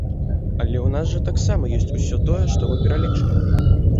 Але у нас жа таксама ёсць усё тое, што вы пералічылі!